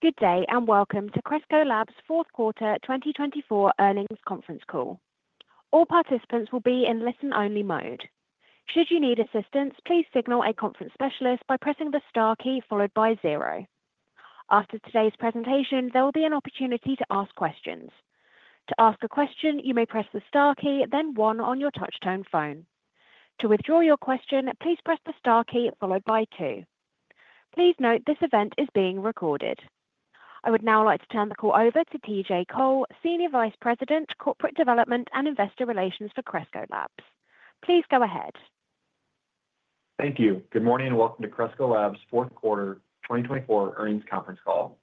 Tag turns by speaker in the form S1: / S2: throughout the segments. S1: Good day and welcome to Cresco Labs' Q4 2024 Earnings Conference Call. All participants will be in listen-only mode. Should you need assistance, please signal a conference specialist by pressing the star key followed by zero. After today's presentation, there will be an opportunity to ask questions. To ask a question, you may press the star key, then one on your touch-tone phone. To withdraw your question, please press the star key followed by two. Please note this event is being recorded. I would now like to turn the call over to T.J. Cole, Senior Vice President, Corporate Development and Investor Relations for Cresco Labs. Please go ahead.
S2: Thank you. Good morning and welcome to Cresco Labs' Q4 2024 Earnings Conference Call.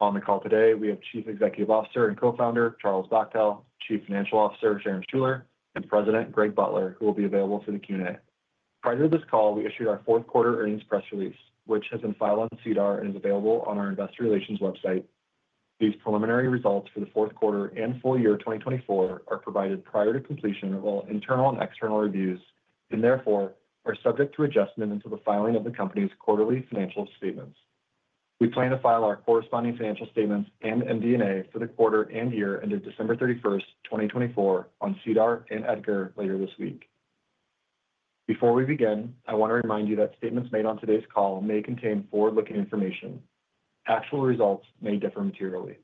S2: On the call today, we have Chief Executive Officer and Co-founder Charles Bachtell, Chief Financial Officer Sharon Schuler, and President Greg Butler, who will be available for the Q&A. Prior to this call, we issued our Q4 earnings press release, which has been filed on SEDAR and is available on our Investor Relations website. These preliminary results for the Q4 and full year 2024 are provided prior to completion of all internal and external reviews and therefore are subject to adjustment until the filing of the company's quarterly financial statements. We plan to file our corresponding financial statements and MD&A for the quarter and year ended December 31, 2024, on SEDAR and EDGAR later this week. Before we begin, I want to remind you that statements made on today's call may contain forward-looking information. Actual results may differ materially.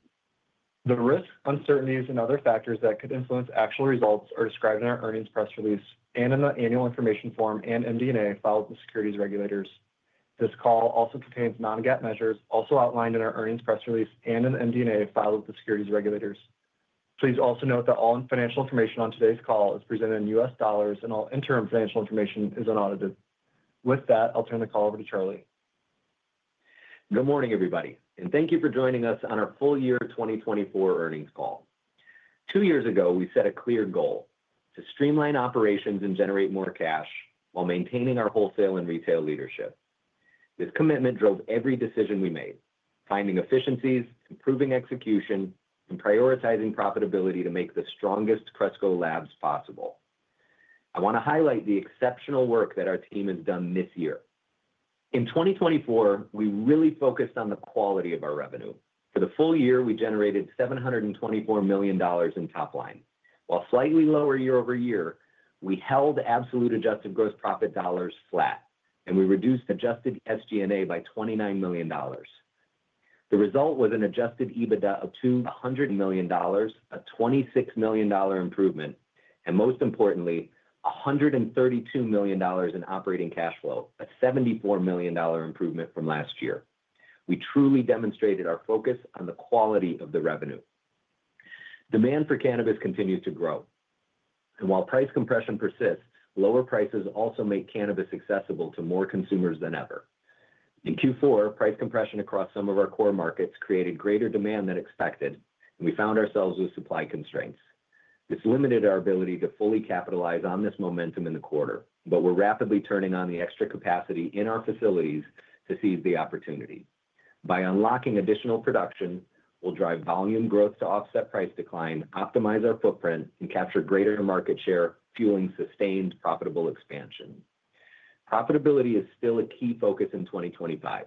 S2: The risk, uncertainties, and other factors that could influence actual results are described in our earnings press release and in the annual information form and MD&A filed with the securities regulators. This call also contains non-GAAP measures also outlined in our earnings press release and in MD&A filed with the securities regulators. Please also note that all financial information on today's call is presented in U.S. dollars and all interim financial information is unaudited. With that, I'll turn the call over to Charlie.
S3: Good morning, everybody, and thank you for joining us on our full year 2024 earnings call. Two years ago, we set a clear goal to streamline operations and generate more cash while maintaining our wholesale and retail leadership. This commitment drove every decision we made, finding efficiencies, improving execution, and prioritizing profitability to make the strongest Cresco Labs possible. I want to highlight the exceptional work that our team has done this year. In 2024, we really focused on the quality of our revenue. For the full year, we generated $724 million in top line. While slightly lower year-over-year, we held absolute adjusted gross profit dollars flat, and we reduced adjusted SG&A by $29 million. The result was an adjusted EBITDA of $200 million, a $26 million improvement, and most importantly, $132 million in operating cash flow, a $74 million improvement from last year. We truly demonstrated our focus on the quality of the revenue. Demand for cannabis continues to grow, and while price compression persists, lower prices also make cannabis accessible to more consumers than ever. In Q4, price compression across some of our core markets created greater demand than expected, and we found ourselves with supply constraints. This limited our ability to fully capitalize on this momentum in the quarter, but we're rapidly turning on the extra capacity in our facilities to seize the opportunity. By unlocking additional production, we'll drive volume growth to offset price decline, optimize our footprint, and capture greater market share, fueling sustained profitable expansion. Profitability is still a key focus in 2025.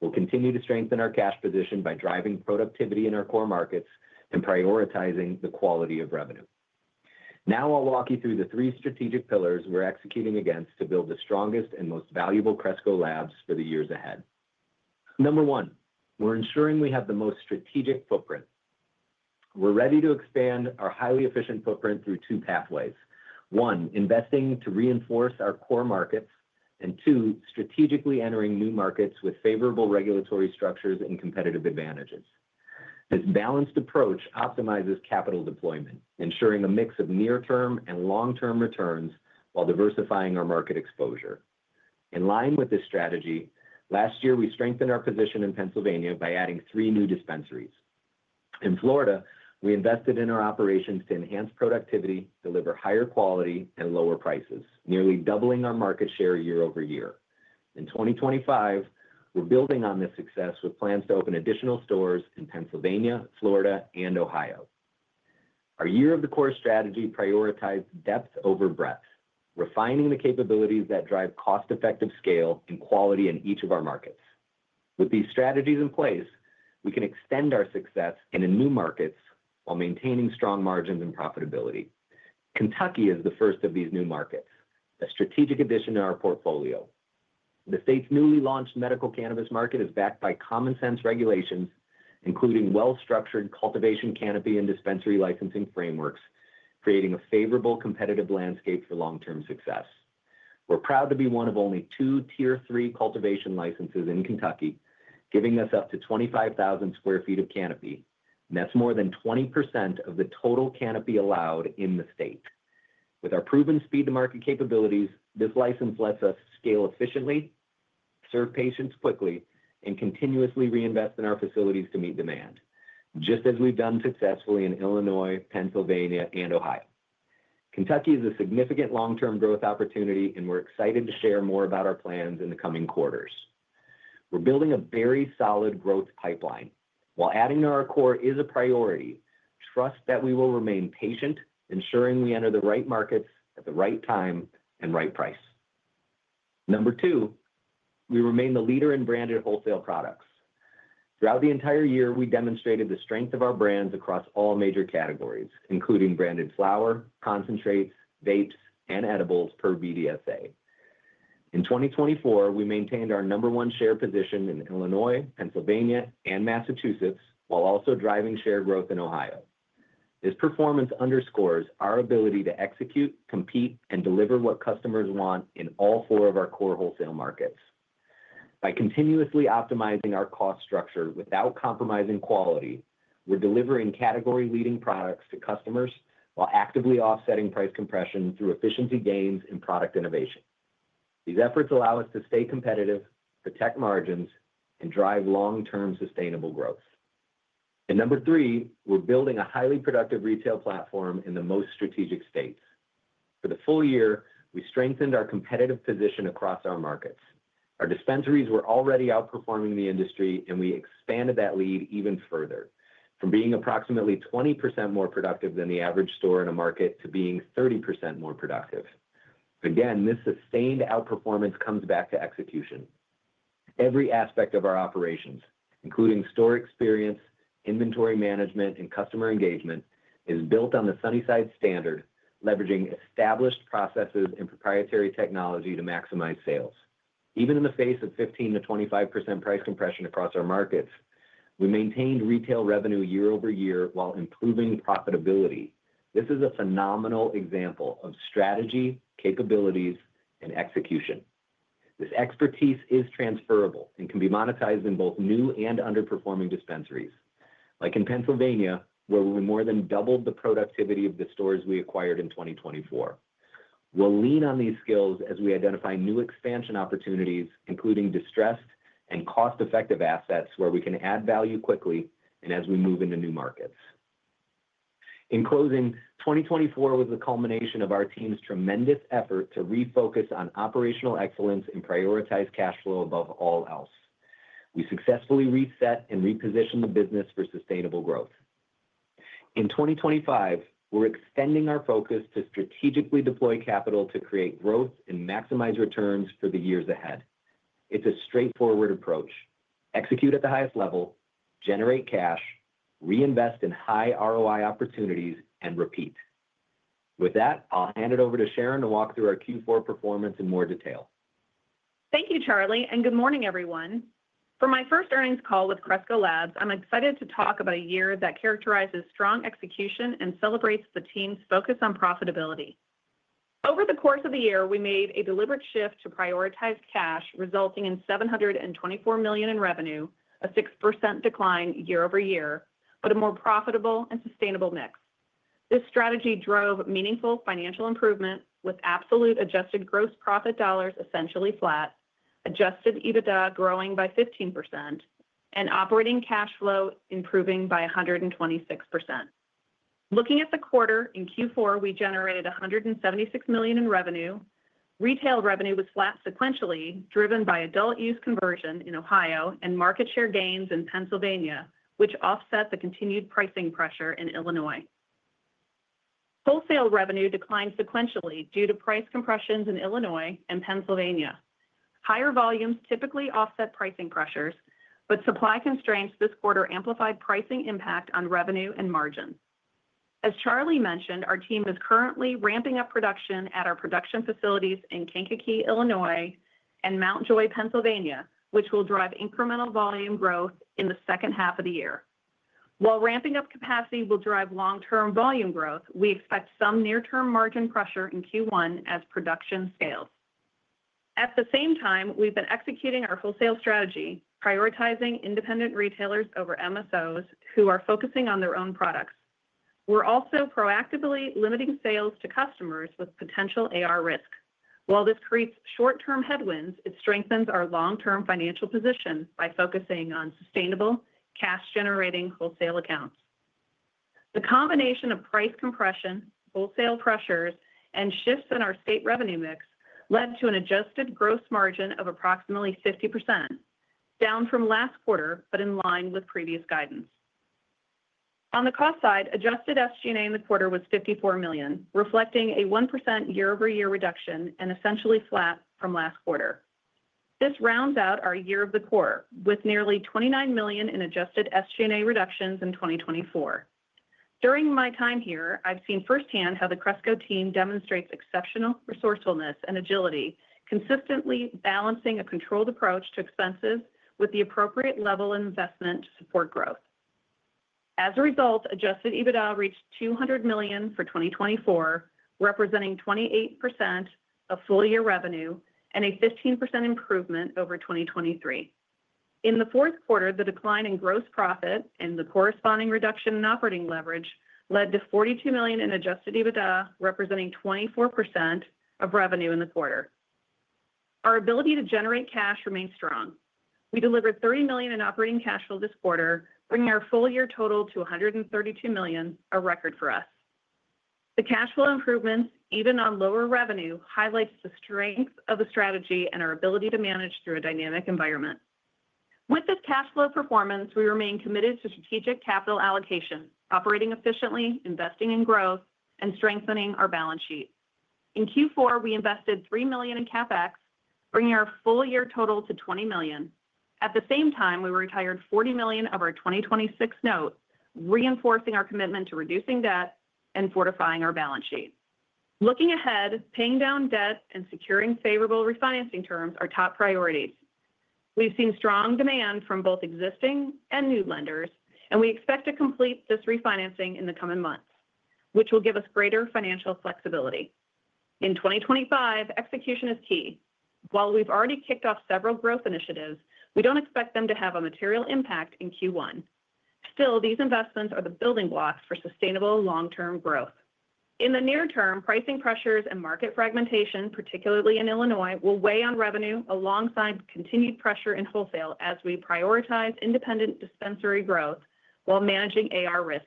S3: We'll continue to strengthen our cash position by driving productivity in our core markets and prioritizing the quality of revenue. Now I'll walk you through the three strategic pillars we're executing against to build the strongest and most valuable Cresco Labs for the years ahead. Number one, we're ensuring we have the most strategic footprint. We're ready to expand our highly efficient footprint through two pathways. One, investing to reinforce our core markets, and two, strategically entering new markets with favorable regulatory structures and competitive advantages. This balanced approach optimizes capital deployment, ensuring a mix of near-term and long-term returns while diversifying our market exposure. In line with this strategy, last year we strengthened our position in Pennsylvania by adding three new dispensaries. In Florida, we invested in our operations to enhance productivity, deliver higher quality, and lower prices, nearly doubling our market share year-over-year. In 2025, we're building on this success with plans to open additional stores in Pennsylvania, Florida, and Ohio. Our Year of the Core strategy prioritized depth over breadth, refining the capabilities that drive cost-effective scale and quality in each of our markets. With these strategies in place, we can extend our success in new markets while maintaining strong margins and profitability. Kentucky is the first of these new markets, a strategic addition to our portfolio. The state's newly launched medical cannabis market is backed by common-sense regulations, including well-structured cultivation canopy and dispensary licensing frameworks, creating a favorable competitive landscape for long-term success. We're proud to be one of only two Tier III cultivation licenses in Kentucky, giving us up to 25,000 sq ft of canopy, and that's more than 20% of the total canopy allowed in the state. With our proven speed-to-market capabilities, this license lets us scale efficiently, serve patients quickly, and continuously reinvest in our facilities to meet demand, just as we've done successfully in Illinois, Pennsylvania, and Ohio. Kentucky is a significant long-term growth opportunity, and we're excited to share more about our plans in the coming quarters. We're building a very solid growth pipeline. While adding to our core is a priority, trust that we will remain patient, ensuring we enter the right markets at the right time and right price. Number two, we remain the leader in branded wholesale products. Throughout the entire year, we demonstrated the strength of our brands across all major categories, including branded flower, concentrates, vapes, and edibles per BDSA. In 2024, we maintained our number one share position in Illinois, Pennsylvania, and Massachusetts, while also driving share growth in Ohio. This performance underscores our ability to execute, compete, and deliver what customers want in all four of our core wholesale markets. By continuously optimizing our cost structure without compromising quality, we're delivering category-leading products to customers while actively offsetting price compression through efficiency gains and product innovation. These efforts allow us to stay competitive, protect margins, and drive long-term sustainable growth. Number three, we're building a highly productive retail platform in the most strategic states. For the full year, we strengthened our competitive position across our markets. Our dispensaries were already outperforming the industry, and we expanded that lead even further, from being approximately 20% more productive than the average store in a market to being 30% more productive. Again, this sustained outperformance comes back to execution. Every aspect of our operations, including store experience, inventory management, and customer engagement, is built on the Sunnyside standard, leveraging established processes and proprietary technology to maximize sales. Even in the face of 15%-25% price compression across our markets, we maintained retail revenue year-over-year while improving profitability. This is a phenomenal example of strategy, capabilities, and execution. This expertise is transferable and can be monetized in both new and underperforming dispensaries, like in Pennsylvania, where we more than doubled the productivity of the stores we acquired in 2024. We'll lean on these skills as we identify new expansion opportunities, including distressed and cost-effective assets where we can add value quickly and as we move into new markets. In closing, 2024 was the culmination of our team's tremendous effort to refocus on operational excellence and prioritize cash flow above all else. We successfully reset and repositioned the business for sustainable growth. In 2025, we're extending our focus to strategically deploy capital to create growth and maximize returns for the years ahead. It's a straightforward approach: execute at the highest level, generate cash, reinvest in high ROI opportunities, and repeat. With that, I'll hand it over to Sharon to walk through our Q4 performance in more detail.
S4: Thank you, Charlie, and good morning, everyone. For my first earnings call with Cresco Labs, I'm excited to talk about a year that characterizes strong execution and celebrates the team's focus on profitability. Over the course of the year, we made a deliberate shift to prioritize cash, resulting in $724 million in revenue, a 6% decline year-over-year, but a more profitable and sustainable mix. This strategy drove meaningful financial improvement, with absolute adjusted gross profit dollars essentially flat, adjusted EBITDA growing by 15%, and operating cash flow improving by 126%. Looking at the quarter, in Q4, we generated $176 million in revenue. Retail revenue was flat sequentially, driven by adult use conversion in Ohio and market share gains in Pennsylvania, which offset the continued pricing pressure in Illinois. Wholesale revenue declined sequentially due to price compressions in Illinois and Pennsylvania. Higher volumes typically offset pricing pressures, but supply constraints this quarter amplified pricing impact on revenue and margins. As Charlie mentioned, our team is currently ramping up production at our production facilities in Kankakee, Illinois, and Mount Joy, Pennsylvania, which will drive incremental volume growth in the second half of the year. While ramping up capacity will drive long-term volume growth, we expect some near-term margin pressure in Q1 as production scales. At the same time, we've been executing our wholesale strategy, prioritizing independent retailers over MSOs who are focusing on their own products. We're also proactively limiting sales to customers with potential AR risk. While this creates short-term headwinds, it strengthens our long-term financial position by focusing on sustainable, cash-generating wholesale accounts. The combination of price compression, wholesale pressures, and shifts in our state revenue mix led to an adjusted gross margin of approximately 50%, down from last quarter, but in line with previous guidance. On the cost side, adjusted SG&A in the quarter was $54 million, reflecting a 1% year-over-year reduction and essentially flat from last quarter. This rounds out our Year of the Core with nearly $29 million in adjusted SG&A reductions in 2024. During my time here, I've seen firsthand how the Cresco team demonstrates exceptional resourcefulness and agility, consistently balancing a controlled approach to expenses with the appropriate level of investment to support growth. As a result, adjusted EBITDA reached $200 million for 2024, representing 28% of full-year revenue and a 15% improvement over 2023. In the Q4, the decline in gross profit and the corresponding reduction in operating leverage led to $42 million in adjusted EBITDA, representing 24% of revenue in the quarter. Our ability to generate cash remains strong. We delivered $30 million in operating cash flow this quarter, bringing our full-year total to $132 million, a record for us. The cash flow improvements, even on lower revenue, highlight the strength of the strategy and our ability to manage through a dynamic environment. With this cash flow performance, we remain committed to strategic capital allocation, operating efficiently, investing in growth, and strengthening our balance sheet. In Q4, we invested $3 million in CapEx, bringing our full-year total to $20 million. At the same time, we retired $40 million of our 2026 note, reinforcing our commitment to reducing debt and fortifying our balance sheet. Looking ahead, paying down debt and securing favorable refinancing terms are top priorities. We've seen strong demand from both existing and new lenders, and we expect to complete this refinancing in the coming months, which will give us greater financial flexibility. In 2025, execution is key. While we've already kicked off several growth initiatives, we don't expect them to have a material impact in Q1. Still, these investments are the building blocks for sustainable long-term growth. In the near term, pricing pressures and market fragmentation, particularly in Illinois, will weigh on revenue alongside continued pressure in wholesale as we prioritize independent dispensary growth while managing AR risk.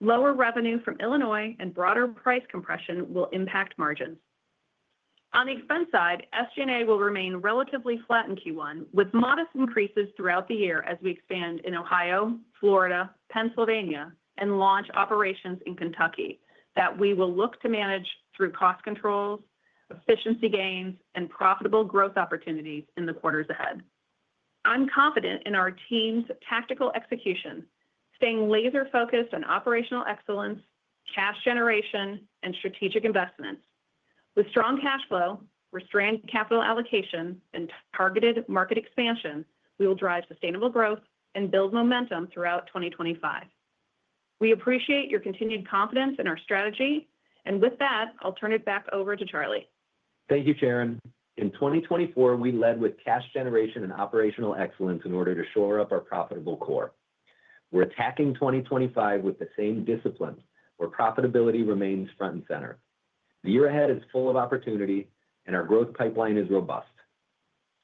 S4: Lower revenue from Illinois and broader price compression will impact margins. On the expense side, SG&A will remain relatively flat in Q1, with modest increases throughout the year as we expand in Ohio, Florida, Pennsylvania, and launch operations in Kentucky that we will look to manage through cost controls, efficiency gains, and profitable growth opportunities in the quarters ahead. I'm confident in our team's tactical execution, staying laser-focused on operational excellence, cash generation, and strategic investments. With strong cash flow, restrained capital allocation, and targeted market expansion, we will drive sustainable growth and build momentum throughout 2025. We appreciate your continued confidence in our strategy, and with that, I'll turn it back over to Charlie.
S3: Thank you, Sharon. In 2024, we led with cash generation and operational excellence in order to shore up our profitable core. We're attacking 2025 with the same discipline where profitability remains front and center. The year ahead is full of opportunity, and our growth pipeline is robust.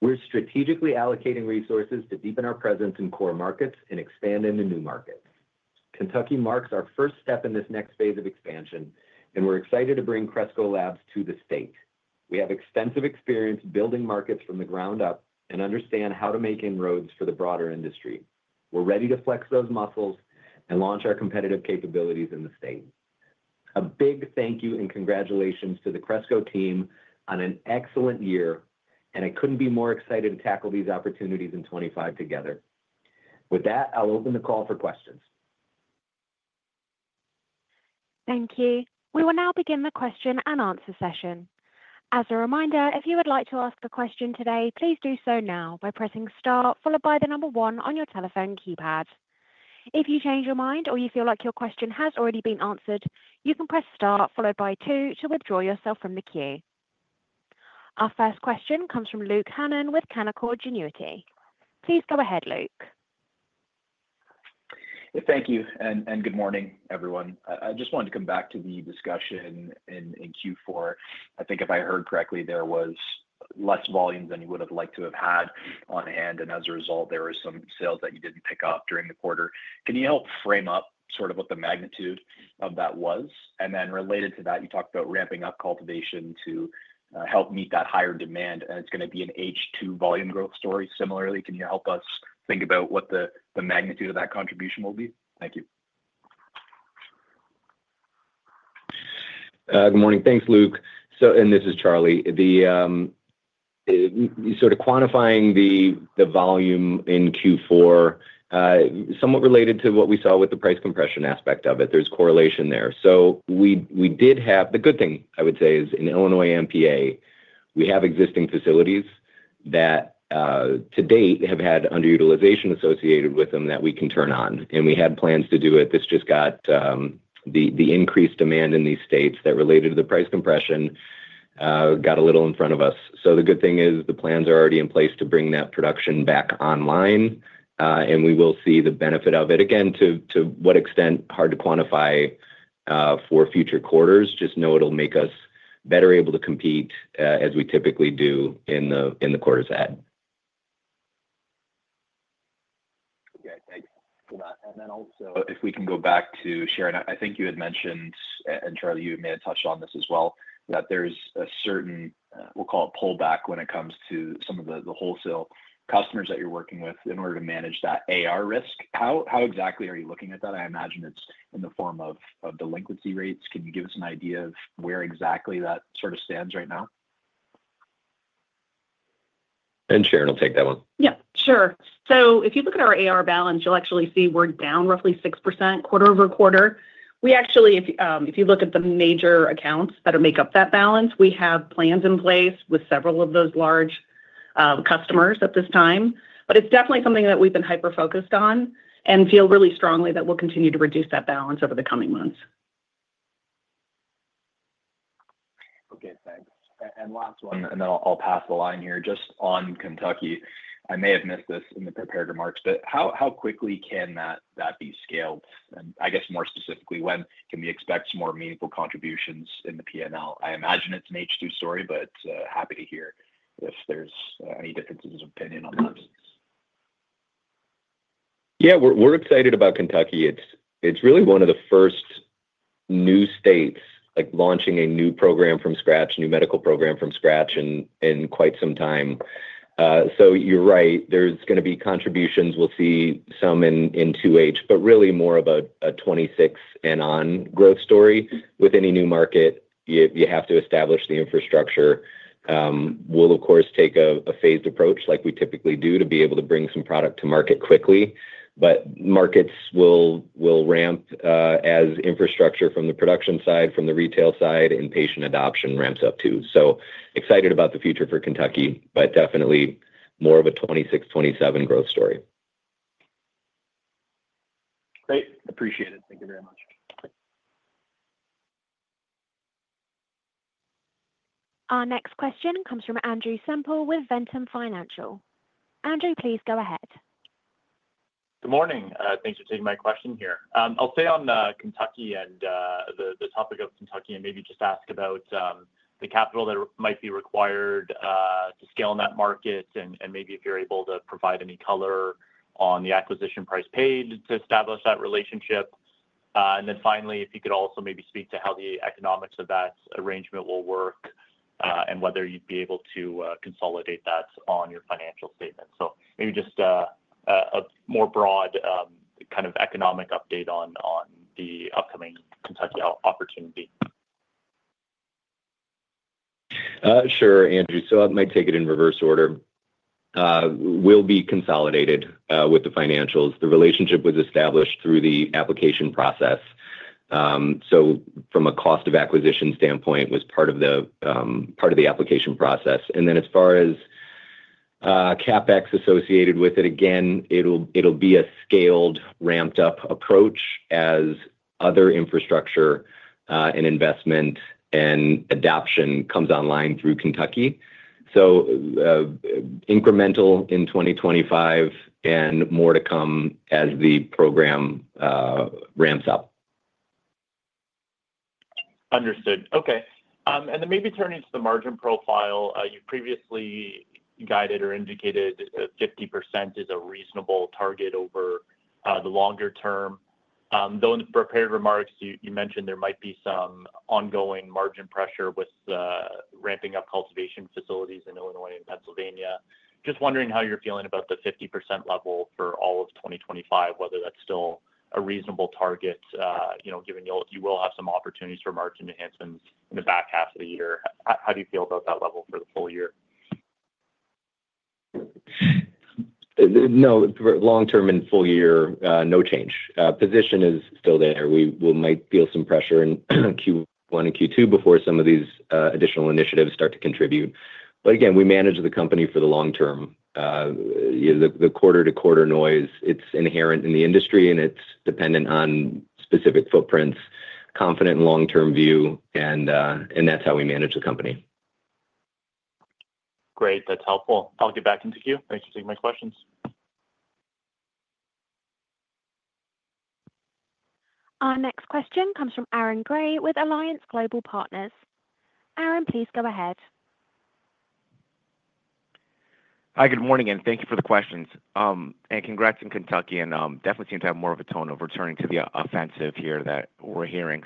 S3: We're strategically allocating resources to deepen our presence in core markets and expand into new markets. Kentucky marks our first step in this next phase of expansion, and we're excited to bring Cresco Labs to the state. We have extensive experience building markets from the ground up and understand how to make inroads for the broader industry. We're ready to flex those muscles and launch our competitive capabilities in the state. A big thank you and congratulations to the Cresco team on an excellent year, and I couldn't be more excited to tackle these opportunities in 2025 together. With that, I'll open the call for questions.
S1: Thank you. We will now begin the question and answer session. As a reminder, if you would like to ask a question today, please do so now by pressing star, followed by the number one on your telephone keypad. If you change your mind or you feel like your question has already been answered, you can press star, followed by two, to withdraw yourself from the queue. Our first question comes from Luke Hannan with Canaccord Genuity. Please go ahead, Luke.
S5: Thank you, and good morning, everyone. I just wanted to come back to the discussion in Q4. I think if I heard correctly, there was less volume than you would have liked to have had on hand, and as a result, there were some sales that you did not pick up during the quarter. Can you help frame up sort of what the magnitude of that was? Related to that, you talked about ramping up cultivation to help meet that higher demand, and it is going to be an H2 volume growth story. Similarly, can you help us think about what the magnitude of that contribution will be? Thank you.
S3: Good morning. Thanks, Luke. This is Charlie. Sort of quantifying the volume in Q4, somewhat related to what we saw with the price compression aspect of it, there's correlation there. We did have the good thing, I would say, is in Illinois and PA, we have existing facilities that to date have had underutilization associated with them that we can turn on. We had plans to do it. This just got the increased demand in these states that related to the price compression got a little in front of us. The good thing is the plans are already in place to bring that production back online, and we will see the benefit of it. Again, to what extent, hard to quantify for future quarters. Just know it'll make us better able to compete as we typically do in the quarters ahead.
S5: Okay. Thanks. If we can go back to Sharon, I think you had mentioned, and Charlie, you may have touched on this as well, that there's a certain, we'll call it pullback when it comes to some of the wholesale customers that you're working with in order to manage that AR risk. How exactly are you looking at that? I imagine it's in the form of delinquency rates. Can you give us an idea of where exactly that sort of stands right now?
S3: Sharon will take that one.
S4: Yeah, sure. If you look at our AR balance, you'll actually see we're down roughly 6% quarter-over-quarter. Actually, if you look at the major accounts that make up that balance, we have plans in place with several of those large customers at this time. It's definitely something that we've been hyper-focused on and feel really strongly that we'll continue to reduce that balance over the coming months.
S5: Okay. Thanks. Last one, and then I'll pass the line here. Just on Kentucky, I may have missed this in the prepared remarks, but how quickly can that be scaled? I guess more specifically, when can we expect some more meaningful contributions in the P&L? I imagine it's an H2 story, but happy to hear if there's any differences of opinion on that.
S3: Yeah, we're excited about Kentucky. It's really one of the first new states launching a new program from scratch, a new medical program from scratch in quite some time. You're right. There's going to be contributions. We'll see some in 2H, but really more of a 2026 and on growth story. With any new market, you have to establish the infrastructure. We'll, of course, take a phased approach like we typically do to be able to bring some product to market quickly. Markets will ramp as infrastructure from the production side, from the retail side, and patient adoption ramps up too. Excited about the future for Kentucky, but definitely more of a 2026, 2027 growth story.
S5: Great. Appreciate it. Thank you very much.
S1: Our next question comes from Andrew Semple with Ventum Financial. Andrew, please go ahead.
S6: Good morning. Thanks for taking my question here. I'll stay on Kentucky and the topic of Kentucky and maybe just ask about the capital that might be required to scale in that market and maybe if you're able to provide any color on the acquisition price paid to establish that relationship. Finally, if you could also maybe speak to how the economics of that arrangement will work and whether you'd be able to consolidate that on your financial statement. Maybe just a more broad kind of economic update on the upcoming Kentucky opportunity.
S3: Sure, Andrew. I might take it in reverse order. We'll be consolidated with the financials. The relationship was established through the application process. From a cost of acquisition standpoint, it was part of the application process. As far as CapEx associated with it, again, it'll be a scaled, ramped-up approach as other infrastructure and investment and adoption comes online through Kentucky. Incremental in 2025 and more to come as the program ramps up.
S6: Understood. Okay. Then maybe turning to the margin profile, you previously guided or indicated that 50% is a reasonable target over the longer term. Though in the prepared remarks, you mentioned there might be some ongoing margin pressure with ramping up cultivation facilities in Illinois and Pennsylvania. Just wondering how you're feeling about the 50% level for all of 2025, whether that's still a reasonable target, given you will have some opportunities for margin enhancements in the back half of the year. How do you feel about that level for the full year?
S3: No, long-term and full year, no change. Position is still there. We might feel some pressure in Q1 and Q2 before some of these additional initiatives start to contribute. Again, we manage the company for the long term. The quarter-to-quarter noise, it's inherent in the industry, and it's dependent on specific footprints, confident long-term view, and that's how we manage the company.
S6: Great. That's helpful. I'll get back into queue. Thanks for taking my questions.
S1: Our next question comes from Aaron Grey with Alliance Global Partners. Aaron, please go ahead.
S7: Hi, good morning, and thank you for the questions. Congrats in Kentucky, and definitely seem to have more of a tone of returning to the offensive here that we're hearing.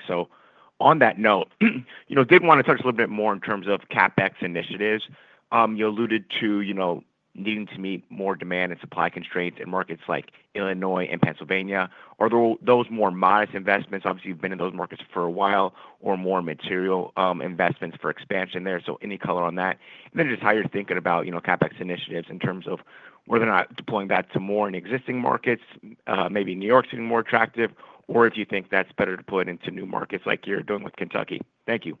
S7: On that note, did want to touch a little bit more in terms of CapEx initiatives. You alluded to needing to meet more demand and supply constraints in markets like Illinois and Pennsylvania. Are those more modest investments? Obviously, you've been in those markets for a while, or more material investments for expansion there? Any color on that? Just how you're thinking about CapEx initiatives in terms of whether or not deploying that to more existing markets, maybe New York seeming more attractive, or if you think that's better deployed into new markets like you're doing with Kentucky. Thank you.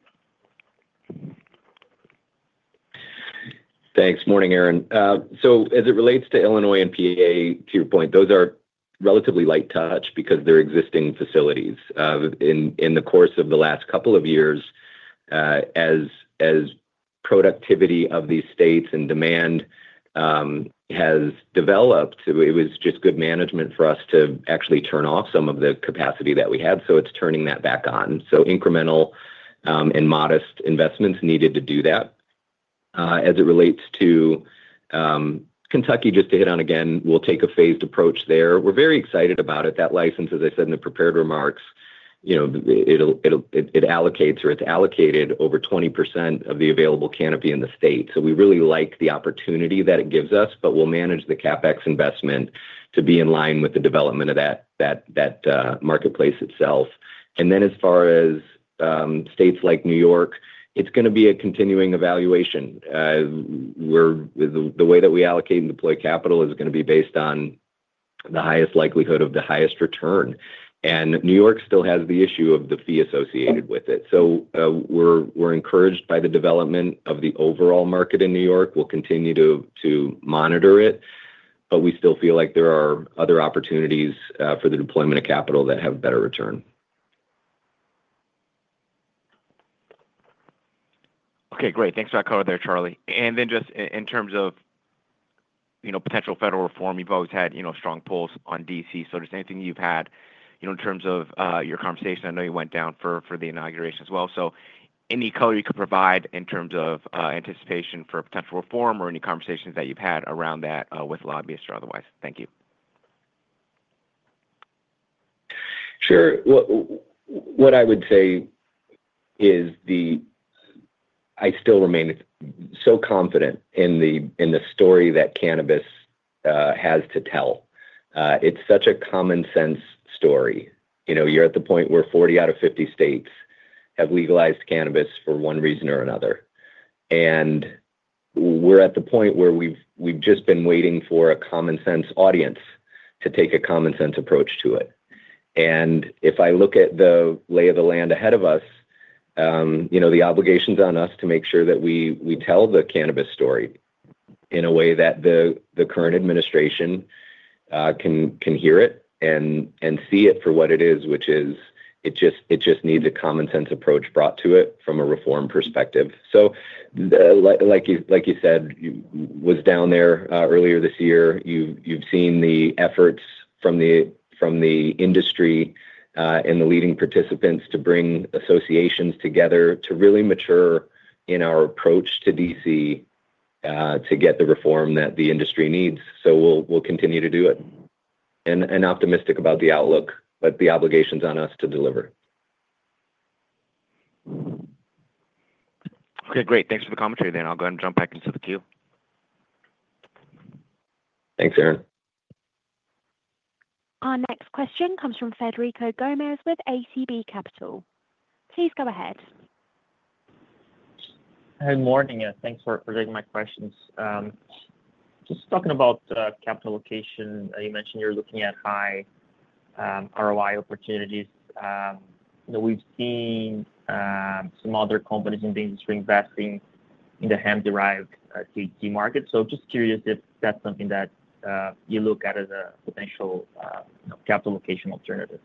S3: Thanks. Morning, Aaron. As it relates to Illinois and PA, to your point, those are relatively light touch because they're existing facilities. In the course of the last couple of years, as productivity of these states and demand has developed, it was just good management for us to actually turn off some of the capacity that we had. It's turning that back on. Incremental and modest investments are needed to do that. As it relates to Kentucky, just to hit on again, we'll take a phased approach there. We're very excited about it. That license, as I said in the prepared remarks, allocates or is allocated over 20% of the available canopy in the state. We really like the opportunity that it gives us, but we'll manage the CapEx investment to be in line with the development of that marketplace itself. As far as states like New York, it's going to be a continuing evaluation. The way that we allocate and deploy capital is going to be based on the highest likelihood of the highest return. New York still has the issue of the fee associated with it. We are encouraged by the development of the overall market in New York. We'll continue to monitor it, but we still feel like there are other opportunities for the deployment of capital that have better return.
S7: Okay. Great. Thanks for that color there, Charlie. In terms of potential federal reform, you've always had strong pulls on DC. Anything you've had in terms of your conversation, I know you went down for the inauguration as well. Any color you could provide in terms of anticipation for potential reform or any conversations that you've had around that with lobbyists or otherwise? Thank you.
S3: Sure. What I would say is I still remain so confident in the story that cannabis has to tell. It's such a common-sense story. You're at the point where 40 out of 50 states have legalized cannabis for one reason or another. We're at the point where we've just been waiting for a common-sense audience to take a common-sense approach to it. If I look at the lay of the land ahead of us, the obligations on us to make sure that we tell the cannabis story in a way that the current administration can hear it and see it for what it is, which is it just needs a common-sense approach brought to it from a reform perspective. Like you said, was down there earlier this year. You've seen the efforts from the industry and the leading participants to bring associations together to really mature in our approach to DC to get the reform that the industry needs. We'll continue to do it and optimistic about the outlook, but the obligation is on us to deliver.
S7: Okay. Great. Thanks for the commentary then. I'll go ahead and jump back into the queue.
S3: Thanks, Aaron.
S1: Our next question comes from Frederico Gomes with ATB Capital Markets. Please go ahead.
S8: Hey, morning. Thanks for taking my questions. Just talking about capital allocation, you mentioned you're looking at high ROI opportunities. We've seen some other companies in the industry investing in the hemp-derived THC market. Just curious if that's something that you look at as a potential capital allocation alternative.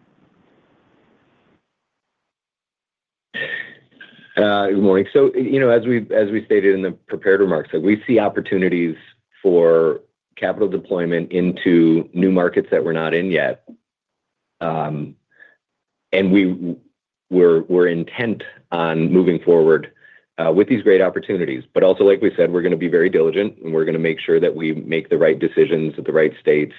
S3: Good morning. As we stated in the prepared remarks, we see opportunities for capital deployment into new markets that we're not in yet. We're intent on moving forward with these great opportunities. Also, like we said, we're going to be very diligent, and we're going to make sure that we make the right decisions at the right states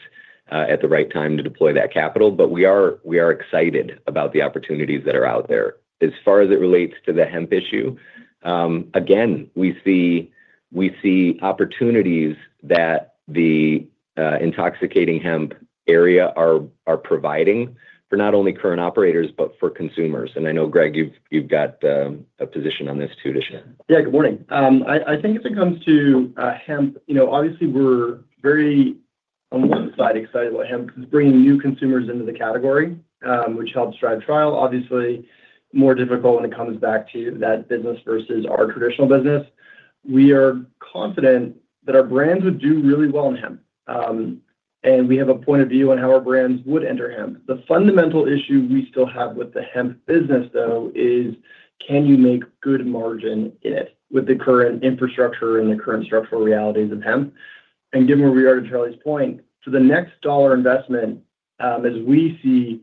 S3: at the right time to deploy that capital. We are excited about the opportunities that are out there. As far as it relates to the hemp issue, again, we see opportunities that the intoxicating hemp area are providing for not only current operators, but for consumers. I know, Greg, you've got a position on this too, additionally.
S9: Yeah. Good morning. I think as it comes to hemp, obviously, we're very on one side excited about hemp because it's bringing new consumers into the category, which helps drive trial. Obviously, more difficult when it comes back to that business versus our traditional business. We are confident that our brands would do really well in hemp. And we have a point of view on how our brands would enter hemp. The fundamental issue we still have with the hemp business, though, is can you make good margin in it with the current infrastructure and the current structural realities of hemp? Given where we are, to Charlie's point, to the next dollar investment, as we see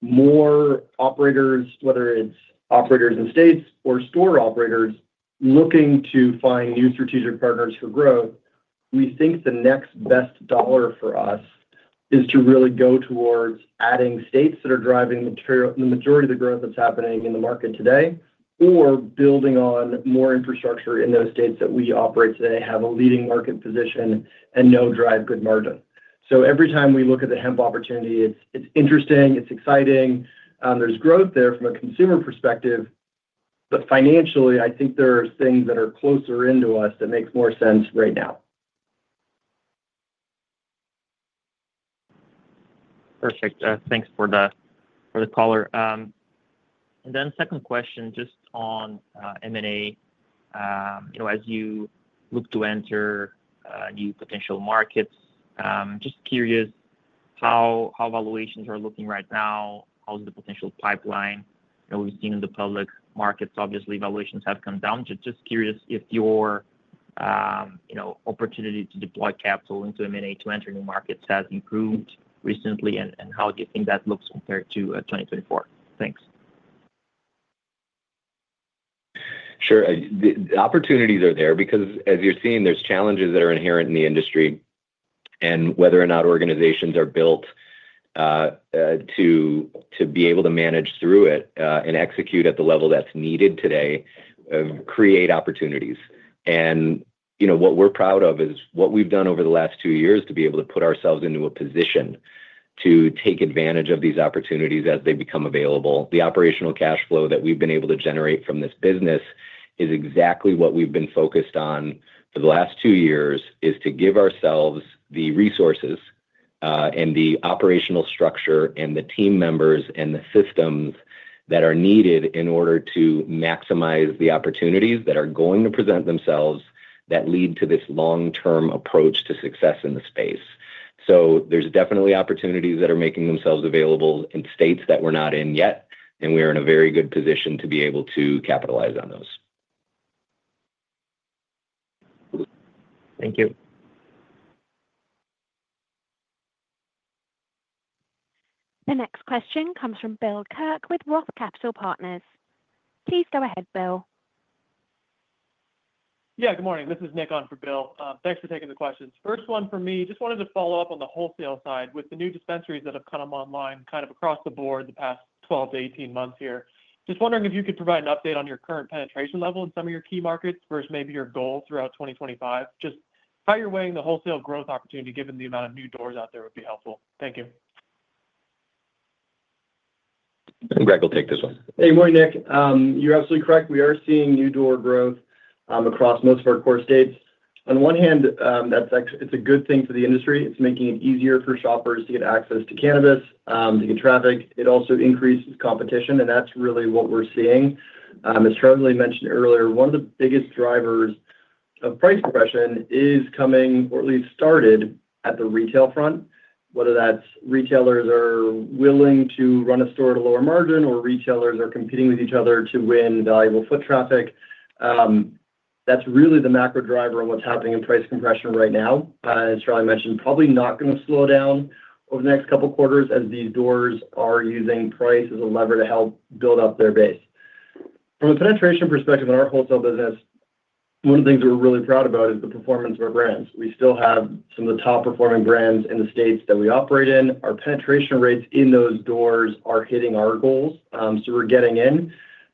S9: more operators, whether it's operators in states or store operators looking to find new strategic partners for growth, we think the next best dollar for us is to really go towards adding states that are driving the majority of the growth that's happening in the market today or building on more infrastructure in those states that we operate today, have a leading market position, and know drive good margin. Every time we look at the hemp opportunity, it's interesting, it's exciting. There's growth there from a consumer perspective. Financially, I think there are things that are closer into us that make more sense right now.
S8: Perfect. Thanks for the color. Second question, just on M&A, as you look to enter new potential markets, just curious how valuations are looking right now, how's the potential pipeline? We have seen in the public markets, obviously, valuations have come down. Just curious if your opportunity to deploy capital into M&A to enter new markets has improved recently, and how do you think that looks compared to 2024? Thanks.
S3: Sure. The opportunities are there because, as you're seeing, there are challenges that are inherent in the industry and whether or not organizations are built to be able to manage through it and execute at the level that's needed today create opportunities. What we're proud of is what we've done over the last two years to be able to put ourselves into a position to take advantage of these opportunities as they become available. The operational cash flow that we've been able to generate from this business is exactly what we've been focused on for the last two years, is to give ourselves the resources and the operational structure and the team members and the systems that are needed in order to maximize the opportunities that are going to present themselves that lead to this long-term approach to success in the space. There are definitely opportunities that are making themselves available in states that we're not in yet, and we are in a very good position to be able to capitalize on those.
S8: Thank you.
S1: The next question comes from Bill Kirk with Roth Capital Partners. Please go ahead, Bill. Yeah. Good morning. This is Nick on for Bill. Thanks for taking the questions. First one for me, just wanted to follow up on the wholesale side with the new dispensaries that have come online kind of across the board the past 12 to 18 months here. Just wondering if you could provide an update on your current penetration level in some of your key markets versus maybe your goal throughout 2025. Just how you're weighing the wholesale growth opportunity given the amount of new doors out there would be helpful. Thank you.
S3: Greg, will take this one.
S9: Hey, morning, Nick. You're absolutely correct. We are seeing new door growth across most of our core states. On the one hand, it's a good thing for the industry. It's making it easier for shoppers to get access to cannabis, to get traffic. It also increases competition, and that's really what we're seeing. As Charlie mentioned earlier, one of the biggest drivers of price compression is coming, or at least started, at the retail front, whether that's retailers are willing to run a store at a lower margin or retailers are competing with each other to win valuable foot traffic. That's really the macro driver of what's happening in price compression right now. As Charlie mentioned, probably not going to slow down over the next couple of quarters as these doors are using price as a lever to help build up their base. From a penetration perspective in our wholesale business, one of the things we're really proud about is the performance of our brands. We still have some of the top-performing brands in the states that we operate in. Our penetration rates in those doors are hitting our goals. We're getting in.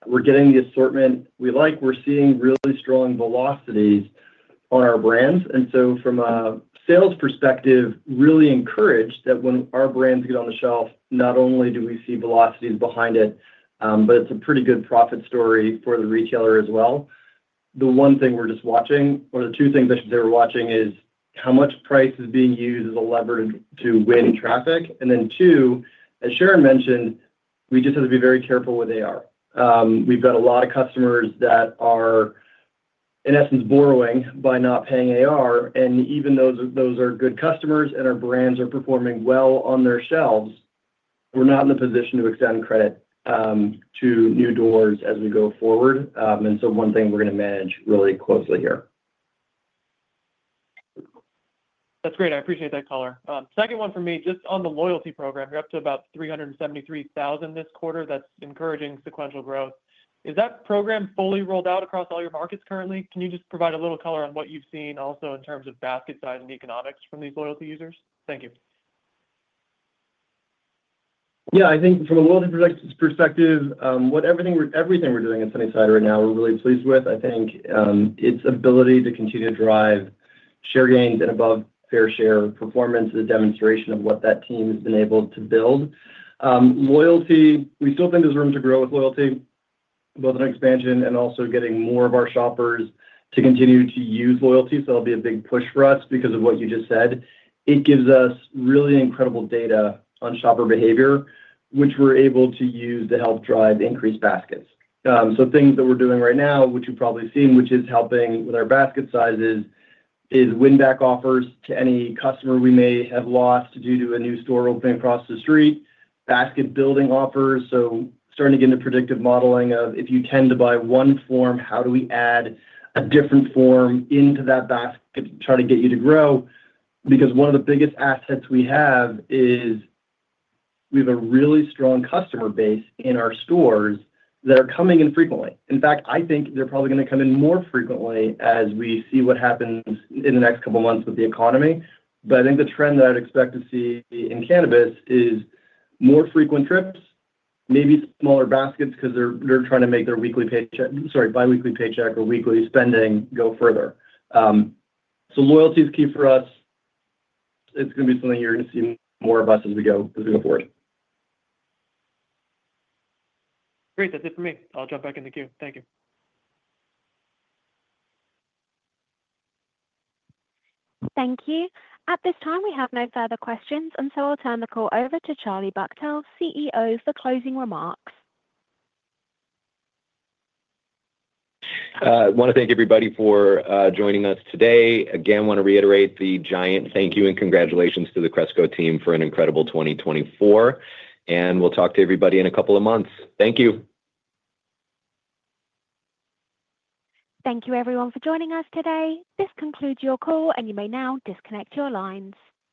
S9: We're getting the assortment we like. We're seeing really strong velocities on our brands. From a sales perspective, really encouraged that when our brands get on the shelf, not only do we see velocities behind it, but it's a pretty good profit story for the retailer as well. The one thing we're just watching, or the two things I should say we're watching, is how much price is being used as a lever to win traffic. Two, as Sharon mentioned, we just have to be very careful with AR. We've got a lot of customers that are, in essence, borrowing by not paying AR. Even though those are good customers and our brands are performing well on their shelves, we're not in the position to extend credit to new doors as we go forward. One thing we're going to manage really closely here. That's great. I appreciate that color. Second one for me, just on the loyalty program. You're up to about 373,000 this quarter. That's encouraging sequential growth. Is that program fully rolled out across all your markets currently? Can you just provide a little color on what you've seen also in terms of basket size and economics from these loyalty users? Thank you. Yeah. I think from a loyalty perspective, everything we're doing at Sunnyside right now, we're really pleased with. I think its ability to continue to drive share gains and above fair share performance is a demonstration of what that team has been able to build. We still think there's room to grow with loyalty, both in expansion and also getting more of our shoppers to continue to use loyalty. That'll be a big push for us because of what you just said. It gives us really incredible data on shopper behavior, which we're able to use to help drive increased baskets. Things that we're doing right now, which you've probably seen, which is helping with our basket sizes, is win-back offers to any customer we may have lost due to a new store opening across the street, basket-building offers. Starting to get into predictive modeling of if you tend to buy one form, how do we add a different form into that basket to try to get you to grow? Because one of the biggest assets we have is we have a really strong customer base in our stores that are coming in frequently. In fact, I think they're probably going to come in more frequently as we see what happens in the next couple of months with the economy. I think the trend that I'd expect to see in cannabis is more frequent trips, maybe smaller baskets because they're trying to make their weekly paycheck, sorry, bi-weekly paycheck or weekly spending go further. Loyalty is key for us. It's going to be something you're going to see more of us as we go forward. Great. That's it for me. I'll jump back in the queue. Thank you.
S1: Thank you. At this time, we have no further questions, and so I'll turn the call over to Charlie Bachtell, CEO, for closing remarks.
S3: I want to thank everybody for joining us today. Again, I want to reiterate the giant thank you and congratulations to the Cresco team for an incredible 2024. We will talk to everybody in a couple of months. Thank you.
S1: Thank you, everyone, for joining us today. This concludes your call, and you may now disconnect your lines.